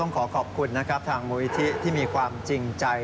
ขอขอบคุณนะครับทางมูลนิธิที่มีความจริงใจ